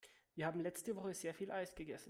Wir haben letzte Woche sehr viel Eis gegessen.